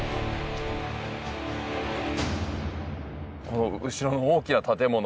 この後ろの大きな建物。